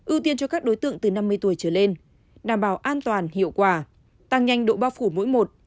ưu tiên cho các đối tượng từ năm mươi tuổi trở lên đảm bảo an toàn hiệu quả tăng nhanh độ bao phủ mỗi một